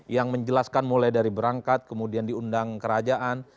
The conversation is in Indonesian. yang menjelaskan mulai dari berangkat kemudian diundang kerajaan